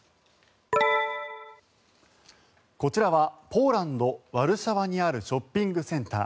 こちらはポーランド・ワルシャワにあるショッピングセンター。